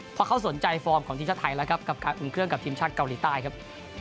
เพราะเขาสนใจฟอร์มของทีมชาติไทยแล้วครับกับการอุ่นเครื่องกับทีมชาติเกาหลีใต้ครับ